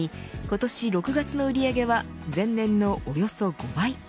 今年６月の売り上げは前年のおよそ５倍。